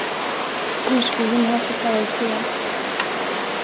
Urskogen har fått vara i fred.